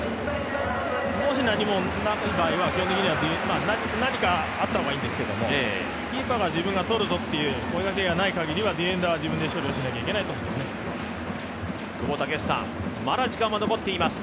もし何もない場合は何かあった方がいいんですけどキーパーが自分がとるぞという声かけがない場合はディフェンダーは自分の仕事をしないといけないとは思います。